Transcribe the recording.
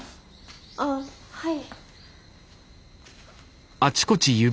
ああはい。